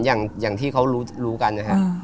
อย่างที่เขารู้กันนะครับ